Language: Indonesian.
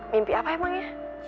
mimpi apa emang ya